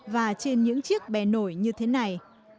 và trên những chiếc bè nổi như thế này